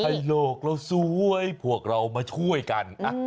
โลกเราสวยพวกเรามาช่วยกัน